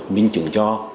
minh chứng cho